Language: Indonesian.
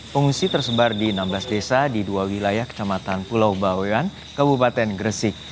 pengungsi tersebar di enam belas desa di dua wilayah kecamatan pulau bawean kabupaten gresik